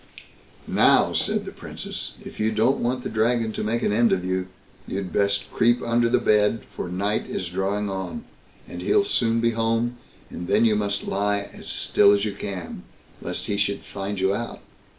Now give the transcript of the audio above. "Now", said the Princess, "if you don't want the Dragon to make an end of you, you'd best creep under the bed, for night is drawing on, and he'll soon be home, and then you must lie as still as you can, lest he should find you out.